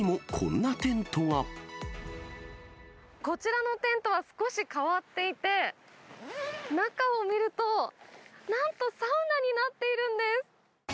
こちらのテントは少し変わっていて、中を見ると、なんとサウナになっているんです。